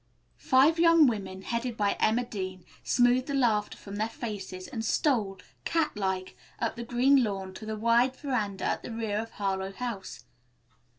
Five young women, headed by Emma Dean, smoothed the laughter from their faces and stole, cat like, up the green lawn to the wide veranda at the rear of Harlowe House.